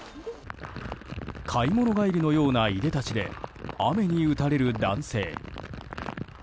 買い物帰りのようないでたちで雨に打たれる男性。